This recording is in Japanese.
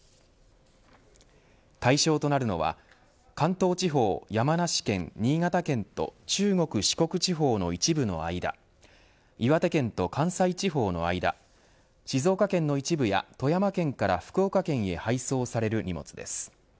対象となるのは関東地方、山梨県、新潟県と中国、四国地方の一部の間岩手県と関西地方の間静岡県の一部や富山県から福岡県へ配送される荷物です。